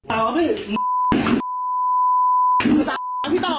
แล้วก็กินการพ่อมงานด้วย